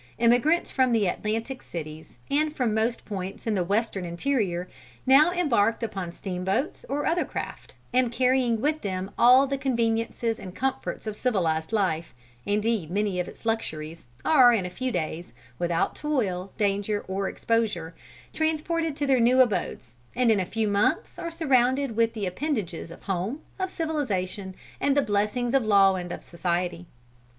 Emigrants from the Atlantic cities, and from most points in the Western interior, now embark upon steamboats or other craft, and carrying with them all the conveniences and comforts of civilized life indeed many of its luxuries are, in a few days, without toil, danger or exposure, transported to their new abodes, and in a few months are surrounded with the appendages of home, of civilization and the blessings of law and of society.